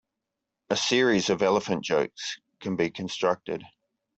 A series of elephant jokes can be constructed.